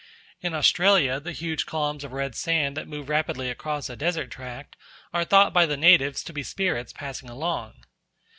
In Australia the huge columns of red sand that move rapidly across a desert tract are thought by the natives to be spirits passing along.